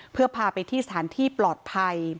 เพื่อพาไปที่สถานที่ปลอดภัย